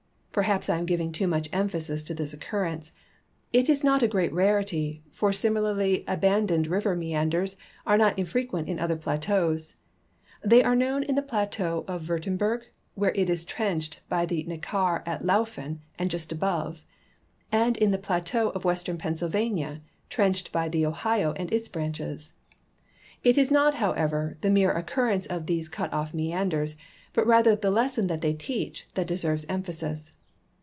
Perhaps I am giving too much emphasis to this occurrence. It is not a great rarity, for similarly abandoned river meanders are not infrequent in other })lateaus. They are known in the plateau of Wiirtemberg, where it is trenched by the Neckar at Lauffen and just above, and in the plateau of western Pennsylvania, trenched by the Ohio and its branches. It is not, however, the mere occurrence of these cut off meanders, but rather the lesson that they teach, that deserves emphasis.